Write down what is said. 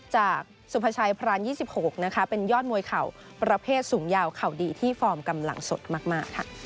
จากสุภาชัยพราน๒๖นะคะเป็นยอดมวยเข่าประเภทสูงยาวเข่าดีที่ฟอร์มกำลังสดมากค่ะ